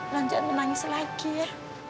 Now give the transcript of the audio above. lanjakan menangis lagi ya